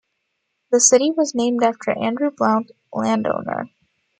The city was named after Andrew Blount, land-owner.